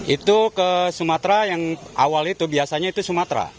itu ke sumatera yang awal itu biasanya itu sumatera